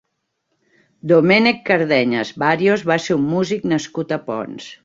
Domènec Cardenyes Bàrios va ser un músic nascut a Ponts.